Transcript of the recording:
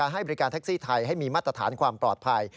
ให้บริการแท็กซี่ไทยให้มีมาตรฐานความปลอดภัย